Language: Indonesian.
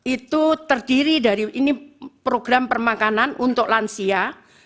itu terdiri dari ini program permakanan untuk lansia